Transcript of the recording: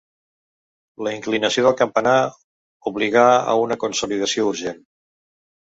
La inclinació del campanar obligà a una consolidació urgent.